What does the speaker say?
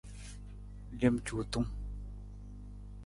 Lem cuutung.